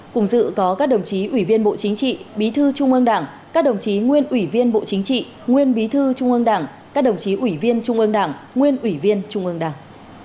cùng dự có các đồng chí ủy viên bộ chính trị bí thư trung ương đảng các đồng chí nguyên ủy viên bộ chính trị nguyên bí thư trung ương đảng các đồng chí ủy viên trung ương đảng nguyên ủy viên trung ương đảng